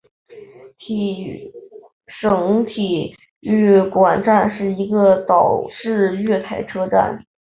省体育馆站是一个岛式月台车站。